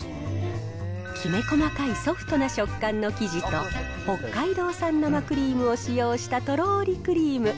きめ細かいソフトな食感の生地と、北海道産の生クリームを使用したとろーりクリーム。